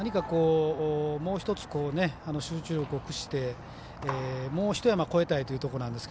もう１つ集中力をつけてもうひと山越えたいというところですが。